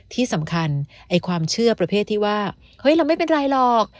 ที่สำคัญไอ้ความเชื่อประเภทที่ว่าเฮ้ยเราไม่เป็นไรหรอก